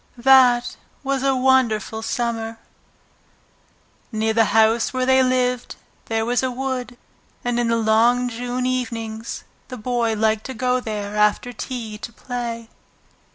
That was a wonderful Summer! Near the house where they lived there was a wood, and in the long June evenings the Boy liked to go there after tea to play.